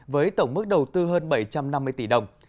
với tổng mức đầu tư hơn bảy trăm năm mươi tỷ đồng